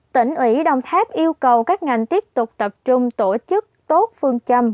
tỉnh ủy đồng tháp yêu cầu các ngành tiếp tục tập trung tổ chức tốt phương châm